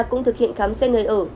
cũng thực hiện khám xét nơi ở